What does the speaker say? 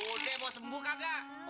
udah mau sembuh kagak